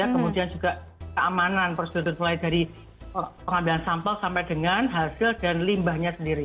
kemudian juga keamanan prosedur mulai dari pengambilan sampel sampai dengan hasil dan limbahnya sendiri